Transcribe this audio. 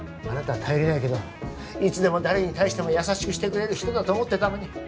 あなたは頼りないけどいつでも誰に対しても優しくしてくれる人だと思ってたのに。